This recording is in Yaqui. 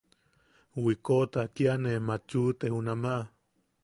Wikoʼota kia ne machuʼute junama.